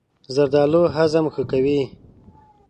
زردالو هضم ښه کوي.